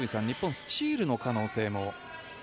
日本はスチールの可能性も。